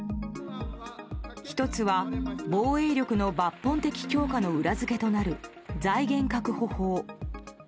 １つは、防衛力の抜本的強化の裏付けとなる財源確保法。